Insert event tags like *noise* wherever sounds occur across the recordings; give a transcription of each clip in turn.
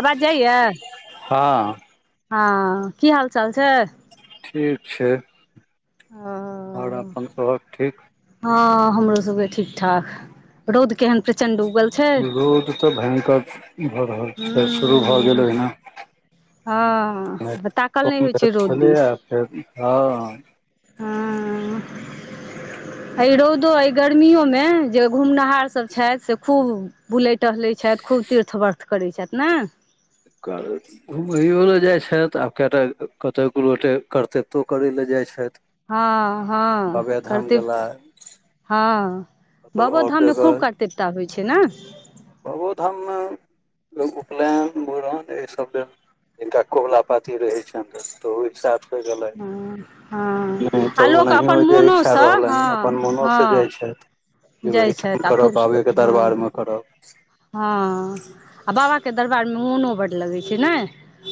आवाज जाइए हँ हँ की हाल चाल छै ठीक छै आओर अपन सबहक ठीक हँ हमरो सबके ठीक ठाक रौद केहन प्रचंडू रोद तऽ भयङ्कर भऽ रहल छै शुरू भऽ हूँ गेलहिना हँ ताकल नहि होइ छै रौद दिस फेर हँ हुँ रौदो गर्मियो मे जे घुमनिहार सभ छथि से खूब बुलैत टहलै छथि खूब तीर्थ वर्थ करैत छथि ने घुमैयो लए जाइ छथि आब कएटा कतहु ग रोटे करततो करय लेलए जाइत छथि हँ हँ बाबाधाम गेला करतिप्त हँ कतहु बाबो आओर धाममे जगह खूब करतिबता होइ छै ने बाबोधाममे उपलयन मुड़न एहिसभ लेल हिनका कबुला पाती रहै छनि तऽ तहु एक साथ *unintelligible* हँ हँ नहि आ तऽ लोक ओनाहिये अपन जे इच्छा मोनोसँ हँ रहलनि अपन मोनोसँ हँ जाइ छैथ जे जाइ ओहिठाम छथि आ करब खूब बाबेके हँ दरबारमे करब हँ आ बाबाके दरबारमे मोनो बड्ड लगै छै नय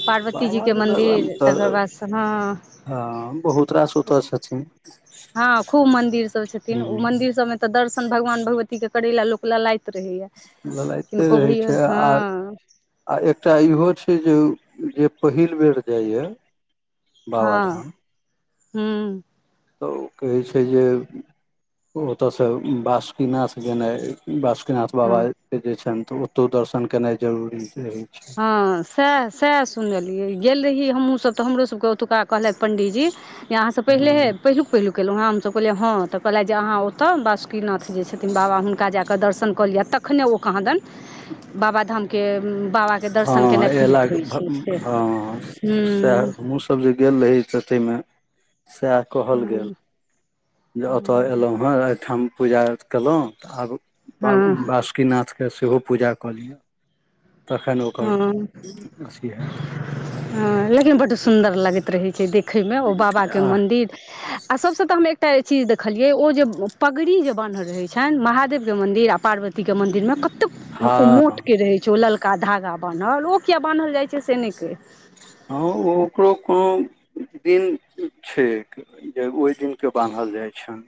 पार्वती जीके बाबाके दरबारमे मन्दिर तकर तऽ बादस हँ हँ बहुत रास ओतऽ छथिन हँ खूब मंदिर सब छथिन ओ हूँ मंदिर सबमे तऽ दर्शन भगवान भगवती के करे लए लोक ललायत ललाइते रहैत छै आ हँ आ एकटा इहो छै जे जे पहिल बेर जाइए बाबाधाम हुं तऽ कहै छै जे ओतयसँ बासुकीनाथ गेनाइ बासुकी बैजनाथ हँ बाबाके जे छनि तऽ ओतौ दर्शन केनाइ जरूरी रहैय हँ सएह सएह सुनलियै गेल रहियै हमहूँसभ तऽ हमरोसभके ओतुका कहलैथि पण्डीजी जे आहाँसँ पहिले ह पहिलुक पहिलुक तऽयलहु हँ हमसभ कहलियै हँ तऽ कहलथि जे अहाँ ओतऽ बासुकीनाथ जे छथिन बाबा हुनका जाकऽ दर्शन कऽ लिय तखने ओ कहँदेन बाबाधामके बाबाके दर्शन हँ केनाइ आइएला फलित होइ छै से हँ से हूँ हमूँ सब जे गेल रही से ताहिमे सएह कहल हँ गेल जे एतऽ एलहुँ हें एहिठाम पुजा कयलहुँ तऽ आब बा हँ बासुकीनाथके सेहो पूजा कऽ लिअ तखन ओकर हँ अथी हैत लेकिन बड्ड सुंदर लगैत रहै छै देखैयमे ओ बाबा के आह मंदिर आ सबसे तऽ हमरा एकटा चीज देखलियै ओ जे पगड़ी जे बान्हल रहै छनि महादेवके मन्दिर आ पार्वती के मंदिरमे कत्तेक ओ हँ मोट के रहे छै ओ ललका धागा गा बान्हल ओ किये बान्हल जाइ छै से नहि कहि हँ ओकरो कोनो दिन छैक जे ओहि दिन के बान्हल जाय छैन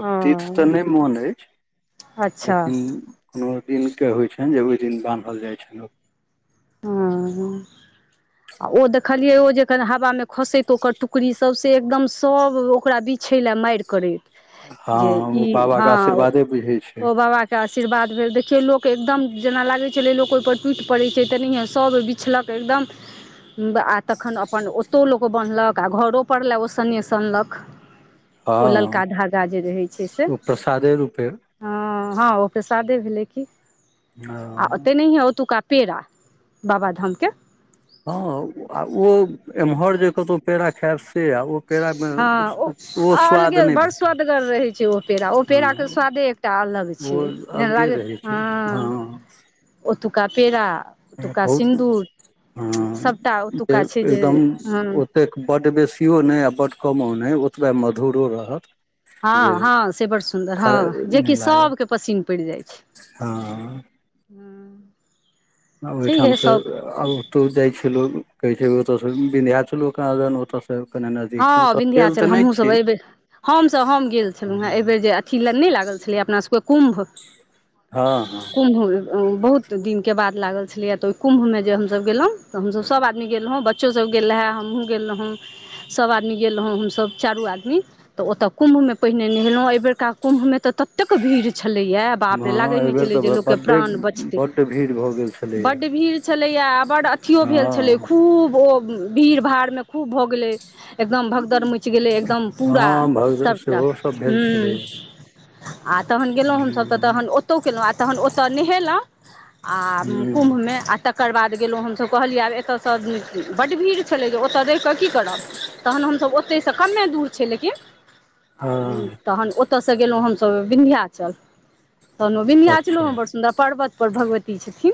आब तिथ तऽ हँ नै मन अछि अच्छा लेकिन एन्हर दिनके होइ छनि जे ओहि दिन बान्हल जाइ छैन ओ हँ आ ओ देखलियै ओ जेखन हवामे खसैत ओकर टुकड़ी सभ से एकदम सभ ओकरा बिछ छैले मारि करैत हँ जे ई ओ बाबाके हँ आशीर्वादे बुझै छै ओ बाबा के आशीर्वाद भेल देखियौ लोक के एकदम जेना लागै छलै लोक ओहिपर टूटि पड़ै छै तेनाहिये सभ ओ बिछलक एकदम आ तखन अपन ओत्तौ लोक बन्हलक आ घरो पर ले ओ सनेश अनलक हँ ओ ललका धागा जे रहै छै से ओ प्रसादे रूपे हँ हँ ओ प्रसादे दे भेलै कि आ ओ हँ तेनैहिये ओतुका पेड़ा बाबाधामके हँ आ ओ एम्हर जे कतहु पेड़ा खेब से आ ओ पेड़ामे हँ ओ स्वाद अलगे नहि बड़ भेटत स्वदगर रहै छै ओ पेड़ा ओ पेड़ाके हँ स्वाद दे एकटा अलग छै ओ जेना अलगे लागै रहै हँ छै हँ ओतुका पेड़ा ओतुका बहुत सिन्दूर हँ सभटा जे ओतुका छै एकदम हँ ओतेक बड्ड बेसी अथिओ नहि आ बड्ड कमो नहि ओतबे मधुरो रहत जे हँ हँ से बड़ सुन्दर खाय हँ जेकि नहि सभके लागत पसिन पड़ि जाइ छै हँ हूँ ओहिठामसँ आब एत्तौ जाइ छी लोग कहै छै ओतऽ सँ बिन्ध्याचलो कहादन ओतऽ सँ हँ बिन्ध्याचल हमहूँ सभ एहि बेर हमसभ हम गेल छलहुँ हेँ एहि बेेर जे अथी नहि लागल छल अपना सबके कुम्भ हँ हँ कुम्भ बहुत दिनके बाद लागल छलैया तऽ ओइ कुम्भ मे जे हमसब गेलौ तऽ हमसब आदमी गेल रहौं बच्चो सब गेल रह‌ए हमहूँ गेल रहौं सभ आदमी गेल रहौं हमसभ चारू आदमी तऽ ओतय कुम्भ मे पहिने नहेलहुँ एहिबेर कत्का कुम्भमे तऽ ततेक भीड़ छलैए बाप रे लागै हँ नहि एहिबेर छलै जे तऽ लोककेँ बड्डे प्राण बचतै बड्ड भीड़ भऽ गेल छलैया बड्ड भीड़ छलैया बड्ड अथियो भेल छलै हँ खूब ओ भीड़ भाड़मे खूब भऽ गेल एकदम भगदर मैच गेलै एकदम पुरा हँ भग सबटा सेहो सब भेल छलै आ तहन गेलहुँ हमसभ तऽ हूँ तहन ओतहु केलहुँ आ तहन ओतय नहेलहुँ आ हूँ कुम्भमे आ तकर बाद गेलहुँ हमसब कहलियै आब एतऽसँ बड्ड भीड़ छलै जे ओतऽ रहि कऽ की करब तहन हमसब ओत तै सँ कमे दूर छै लेकिन उं हँ तहन ओतयसँ गेलहुँ हमसभ विन्ध्याचल तहन विन्धयाचलोमे अच्छा बड़ सुन्दर पर्वत पर भगवती छथिन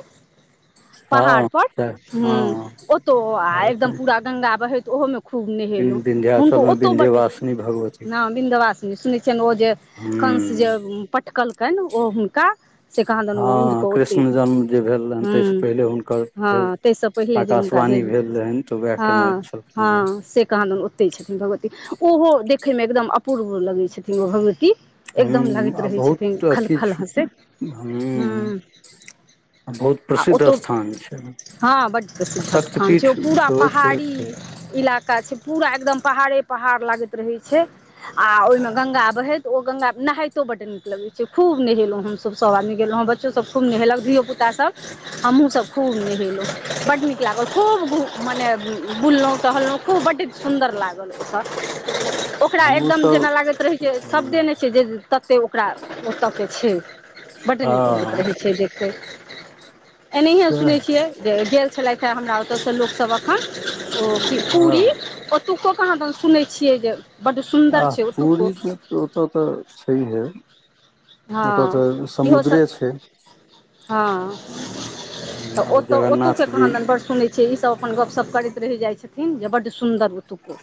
पहाड़ हँ पर तऽ हूँ हँ ओतौ आ एकदम पूरा गंगा बहैत ओहोमे खूब नहेलौं विन्ध्याचल हुनको मे ओतौ बड्ड विन्ध्यवासिनी भगवती बिन्दवासनी ओ जे कंस हूँ जे पटकलकनि ओ हुनका से कहादन उड़ि हँ के ओत्तै कृष्ण जन्म जे भेल रहनि ताहिसँ हूँ पहिले हुनकर हँ भेल ताहिसँ पहिले जे हुनका आकाशवाणी भेल रहनि तऽ उएह केने हँ छलखिन हँ कहा दून ओते छथिन भगवती ओहो देखै मे एकदम अपूर्व लगै छथिन भगवती हेँ एकदम लगैत हूँ आ रहै छथिन बहुत अथी खलखल हँसै हूँ ह्म बहुत आ प्रसिद्ध ओतहु स्थान छै हँ बड्ड आ प्रसिद्ध स्थान शक्तिपीठ छै ओ पूरा सेहो छै पहाड़ी ओतय इला इलाका छै पूरा एकदम पहाड़े पहाड़ लागैत रहे छै आ ओहिमे गंगा बहैत ओ गंगा नहाइतो बड नीक लगै छै खूब नेहेलहुँ हमसभ सभ आदमी गेलहुँ बच्चोसभ खूब नहेलक धियोपुता सब हमहु सभ खूब नहेलहुँ बड्ड नीक लागल खूब मने बुललहुँ टहलहुँ खूब खूब बड सुन्दर लागल ओ ओकरा हमहुँ एकदम सब जेना लागैत रहै छै हूँ शब्दे नहि छै जे तऽ ओकरा ओतऽके छै बड्ड नीक लगैत हँ रहैत छै देखै एनाहिये सएह सुनैत छियै जे गेल छलथि हे हमरा ओतयसँ लोकसभ एखन ओ हँ पूरी ओतुकोके कहाँ दन सुनै छियै जे बड्ड आ सुन्दर छै ओतुको पुरी तऽ ओतय तऽ छैहे हँ ओतय तऽ इहोसभ समुद्रे छै हँ तऽ ओ आओर ओतहु जगन्नाथ के जी कहान बड़ सुनैत छै ईसभ अपन गपशप करैत रहि जाइत छथिन जे बड्ड सुन्दर ओतुको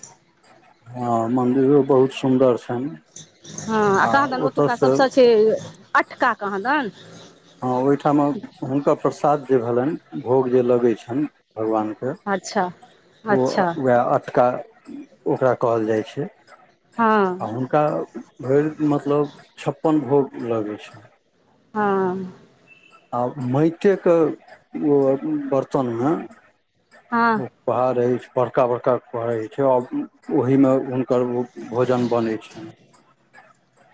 हँ मन्दिरो बहुत सुन्दर छै हँ कहादन ओतुका से सबस छै अटका कहादन हँ ओहिठाम हुनकर प्रसाद जे भेलनि भोग जे लगै छनि भगवान के अच्छा ओ अच्छा वएह अटका ओकरा कहल जाइ छै हँ आ हुनका भरि मतलब छप्पन भोग लगै छनि हँ आ माइटे के बर्तन हँ में पहाड़ अछि बड़का बड़का पहड़ अछि छै आ ओहिमे ओकर ओ भोजन बनै छनि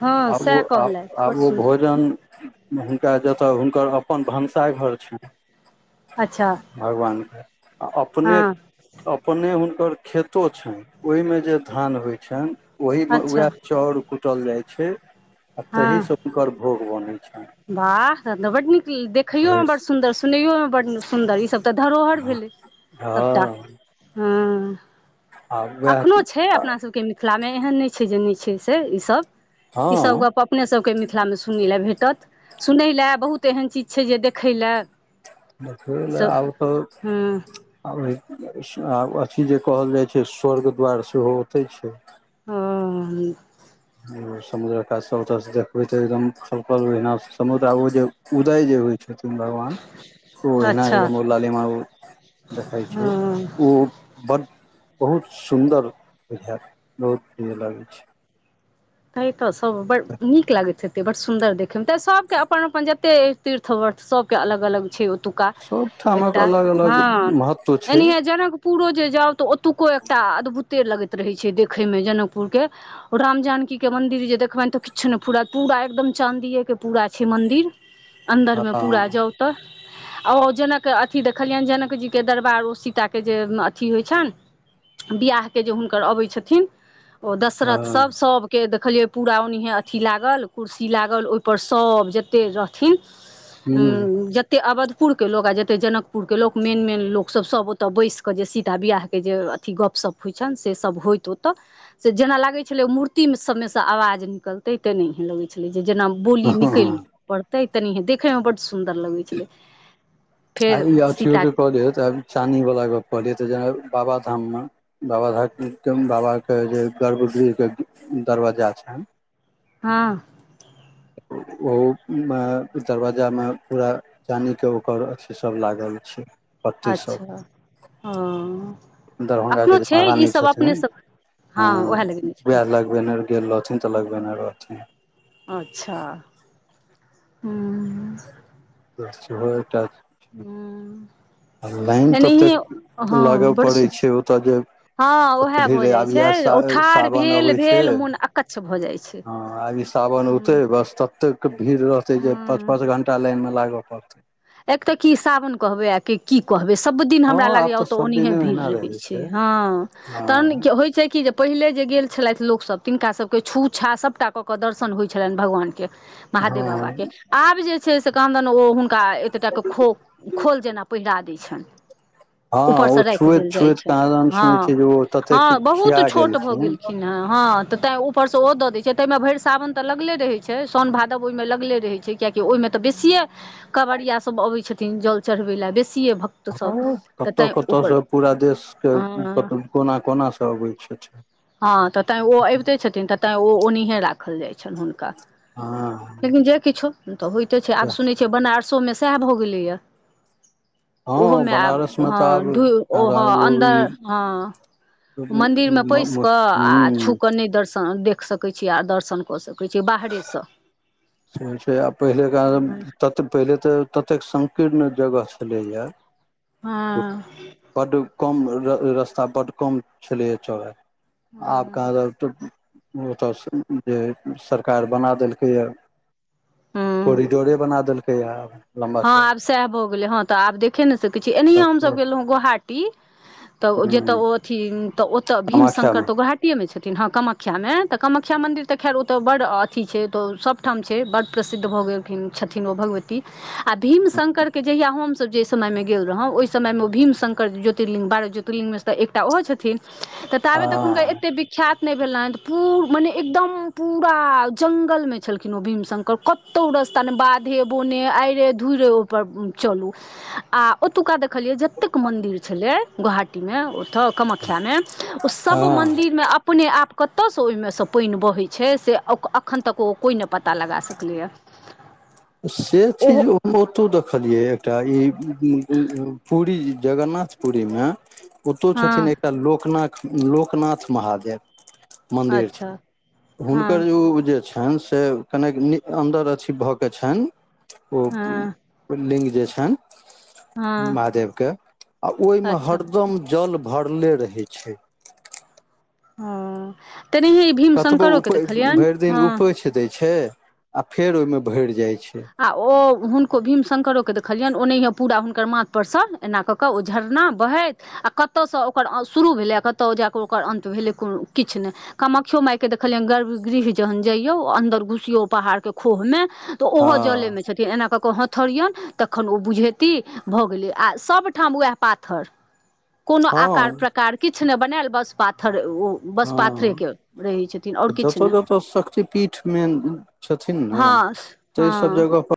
हँ आब सएह ओ आ कहलथि आब बड्ड ओ सुन्दर भोजन हुनका जतय हुनकर अपन भनसाघर छ अच्छा भगवानके आ अपने हँ अपने हु ओकर खेतो छनि ओहि में जे धान होय छनि ओहि मे अच्छा उएह चाउर क छुटल जाय छै आ तहि से हुनकर भोग बन छै बाह त त बड नीक देखैयोमे भरि बड सुन्दर सुनैोमे बड्ड सुन्दर ईसभ तऽ धरोहर भेलखिन हँ हँ आ उएह एखनोहु छै अपना सभके मिथिला मे एहन नइ छै जे नइ छै से ई सभ ई सब हँ गप अपने सबके मिथिला मे सुनै ल भेटत सुनय लेल बहुत एहन चीज छै जे देखय लेल अउर हँ कहू अथी जे कहल जाइ छै स्वर्ग द्वार सेहो ओतै छै ह जी समुद्र क सब देखबे ते एकदम फल समु उदय जे होय छथि तन भगवान ओ एनाद अच्छा लाले म देखइ छै हँ ओ बड़ बहुत सुन्दर बुझाय बहुत प्रिय लागै छै ता तऽ सभ बड नीक लागैत छैे बड़ सुन्दर देखयमे तऽ सभके अपन अपन एते तीर्थ वर्त सबके अलग अलग छै ओतुका सबठामक एकटा अलग अलग हँ महत्व छै एनीह जनकपुरो जे जाउ तऽ ओतुको एकटा अदभुत अदभुत लगैत रहै छै देखे में जनकपुर के राम जानकी के मन्दिर जे देखबनि तऽ किछु नहि पूरात पूरा एकदम चाँदिेके पूरा छै मन्दिर हँ अन्दरमे पूरा जाउ त अ ओ जनक अथि देखलियनि जनकजीके दरबार ओ सीताके जे अथी होइ छइन विहाके जे हुनकर अबैत छथिन ओ हँ दशरथसभ सभ देखलियै पूरा ओनाहे अथी लागल कुर्सी लागल ओहिपर सब जतेक रहथिन ह हूँ जतेक अबध पुर के लोक आ जतेक जनकपुरके लोक मेन मेन लोकस सभ ओतऽ बैस कऽ जे सीता बिआहके जे गप सब होइ छनि से सब होइत ओतऽ से जेना लागै छलै मूति मूर्ती सभमेसँ आवाज निकलतै तेनाहिए लगै छलै जे जेना बोली हँ निकैल हँ पड़तै तनि देखै मे बड्ड सुन्दर लगै छलै आ फेर ई अथयो सीता क दियो त चानी बला गप क देत ना बाबा धाम मे बाबा बाबा के गर्भ गृह बजा छै हँ *unintelligible* ओहमे दरवाजामे पूरा चानि क ओकर अथी सब लागल छै पत्ती सब अच्छह हँ दरभंगा के जे महारानी छथिन अ हँ उएह लगेने छथिन उहे लगबेने गेल रहथिन लगबने रहथिन अच्छह हूँ सेहो एकटा हू आ लाइन ततेक लगअ बड पड़ैय सु छै ओतअ जे हँ उएह ततधिर भऽ जाइ आब इहै छै सा ओ ठाढ़ सावन भेल अबै छैय भेल मोन अकच्छ भऽ जाइ छै ह एहि सावन हूँ ओते बस ततेक भीड़ रहतै जे पाँच हूँ पाँच घंटा लाइनमे लागअ पड़तै एक तऽ की सावन कहबै आ की कहबै सब दिन हँ हमरा लागै आब तऽ ओतय सब ओनेहे दिने भीड़ ओहिना रहै छैय छै हँ तहन हँ होइ छैय की पहिले जे गेल छलैथ लोकसब तिनका सबके छू छा सभटा कऽ के दर्शन होय छलैन भगवान क महादेव बाबा हँ के आब जे छैय से कहा दुन ओ हुनका एटे टा के खो खोल जेना पहिरा दै छैन हँ ओ ऊपरसँ राइख छुएत देल जाय छुएत छैन कहाँ दन सुनै हँ छियै जे ओ ततेक हँ बहुत खिया छोट भऽ गेलखिन ह हँ तैय उ पर सँ ओ दऽ दैय छैय ताइमे भइर सावन तऽ लगले रहै छैय साओन भादव ओहिमे लगले रहै छैय कियाकी ओहिमे तऽ बेसिए कवड़िया सब अबै छथिन जल चढ़बै ल बेसी कतअ कतअ सँ पूरा देशके के हँ कोना कोना स अबै छै अच्छह हँ तऽ तै ओ अबिते छथिन तै ओ ओनिहे राखल जाइ छैन हुनका हँ लेकिन जे किछो तऽ होइत छै आब सुनै छियै बनारसोमे सएह भऽ गेलै य हँ ओहोमे आब बनारस मे हँ तऽ ढु ओ हँ आब अन्दर हँ मंदिर मे पैस कऽ आ छू हुँ कऽ नैय दर्शन ह देख सकैय छी आ दर्शन कऽ सकैय छी बाहरे सँ छै छै आ पहिले कहादिन तत पहिले तऽ ततेक संग कीर्ण जगह छलै य हँ कम र र रस्ता बड कम छलैए एतअ आब हँ कहाँ दिन तऽ ओतअ से उ उ जे सरकार बना देलकै ए कोरिडोरे बना देलकैए आब लम्बा हँ आब चौड़ा सएह भऽ गेलै हँ तऽ आब देखे ने सकै छी एनहिये हमसभ हूँ गेलहुँ हँ गोहाटी तऽ जतऽ ओ अथी तऽ ओतऽ भीम शंकर कामाख्यामे तऽ गोहाटीए मे छथि ठीन हँ कामख्या मे तऽ कामख्या मन्दिर तऽ खैर ओतऽ बड अथी छै त सबठाम छैय बड प्रसिद्ध भऽ ओलखिन छठिन ओ भगवती आ भीमशंकर के जहिया हम सब जेय समय में गेल रहौ ओहि समय मे ओ भीम शंकर ज्योर्तिंलिंग बारह ज्योर्तिंलिंग मे से त एकटा ओहो छथिन तऽ ताबे तक हुनकर हँ एते विख्यात नहि भेलैन पू मने एकदम पूराआ जंगल में छलखिन ओ भीम शंकर कतौ ताने बाधे बोने आइरे धुरे ओ चलू आ ओतुका त खलिए जतेक मन्दिर छलै गोहाटीमे ओतऽ कामख्यामे ओ सब हँ मन्दिरमे अपने आप कतअसँ ओहिमेसँ पाइन बहै छै से ओक अखन तक ओ कोइ नहि पता लगा सकलैया से चीज ओतौ देखलियै एकटा ई इ जगन्नाथ पुरी मे ओतौ छथिन हँ एकटा लोकनाथ लोकनाथ महादेव मन्दिर अच्छा छै हँ हुनकर जे ई जे छै एन से कनेक नीअ अंदर अछि भऽ के छैन ओ हँ लिंग जे छैन हँ महादेव के आ ओय में अच्छा हरदम जल भरले रहै छैय अउं कतबो उपैह भइर दिन हँ उपैछ दैत छै आ फेर ओहिमे भरि जाइ छै आ ओ हुनको भीम शंकरो क देखऽ हलियन ओनेहे पूरा हुनकर माथ पर सँ एना क कऽ ओ झरना बहैत आ कतअसँ ओकर अं शुरू उ भेलै कतौ जा कऽ ओकर अंत भेलै कोरो किछ नैय कामाख्यो माय के देखलियै गर्भ गृह जहन जइयो अंदर घुसीयौ पहाड के खह मे त उहो जले हँ मे छथीन एना क क पाथर यनि तखन ओ बुझेैत भऽ गेलै आ सभठाम उएह पा्थर कोनो हँ आकार प्रकार किछु नहि बनायल बस पाथर ओ बस हँ पाथरे के रहै छथिन आर किछु जतऽ नै जतऽ शक्तिपीठ मेन छथिन ने हँ ताहि हँ सब जगह पर